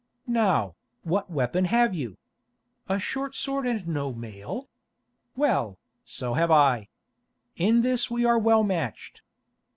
Now, what weapon have you? A short sword and no mail? Well, so have I. In this we are well matched.